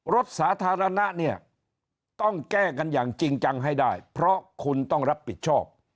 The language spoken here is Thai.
รถสาธารณะเนี่ยต้องแก้กันอย่างจริงจังให้ได้เพราะคุณต้องรับผิดชอบ